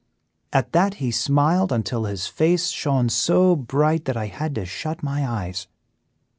"At that he smiled until his face shone so bright that I had to shut my eyes."